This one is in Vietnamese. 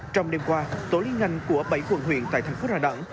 trong đêm qua tổ liên ngành của bảy quận huyện tại thành phố đà nẵng